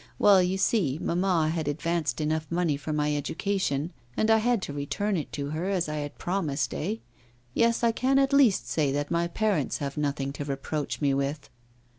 Well, you see, mamma had advanced enough money for my education, and I had to return it to her, as I had promised, eh? Yes, I can at least say that my parents have nothing to reproach me with.